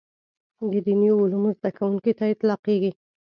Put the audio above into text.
د دیني علومو زده کوونکي ته اطلاقېږي.